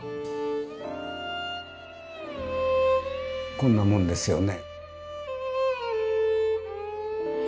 こんなもんですよね。